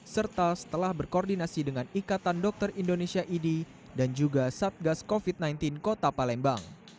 serta setelah berkoordinasi dengan ikatan dokter indonesia idi dan juga satgas covid sembilan belas kota palembang